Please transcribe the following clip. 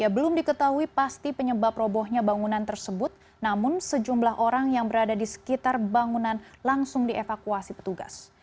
belum diketahui pasti penyebab robohnya bangunan tersebut namun sejumlah orang yang berada di sekitar bangunan langsung dievakuasi petugas